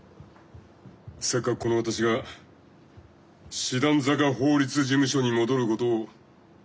せっかくこの私が師団坂法律事務所に戻ることを許してやったのに。